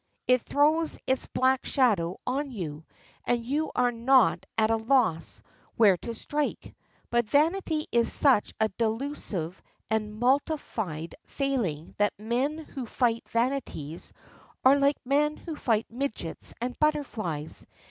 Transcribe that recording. It throws its black shadow on you, and you are not at a loss where to strike. But vanity is such a delusive and multified failing that men who fight vanities are like men who fight midgets and butterflies.